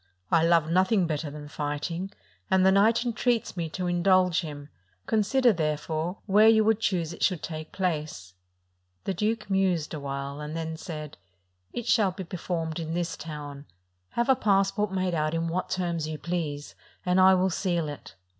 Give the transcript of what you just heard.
I love nothing better than fighting, and the knight entreats me to indulge him: consider, therefore, where you would choose it should take place." The duke mused awhile, and then said: "It shall be performed in this town: have a passport made out in what terms you please, and I will seal it."